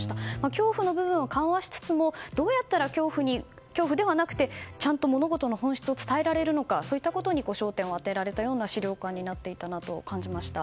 恐怖の部分は緩和しつつもどうやったら恐怖ではなくてちゃんと物事の本質を伝えられるのかそういったことに焦点を当てられたような資料館になっていたなと感じました。